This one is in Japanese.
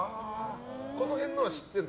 この辺は知ってるの？